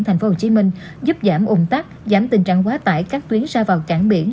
tp hcm giúp giảm ủng tắc giảm tình trạng quá tải các tuyến xa vào cảng biển